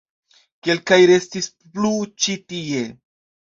Kelkaj restis plu ĉi tie.